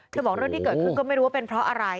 บอกเรื่องที่เกิดขึ้นก็ไม่รู้ว่าเป็นเพราะอะไร